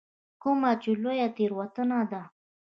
کومه چې لویه تېروتنه ده.